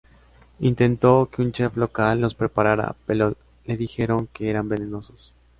Intentó que un chef local los preparara, pero le dijeron que eran venenosos.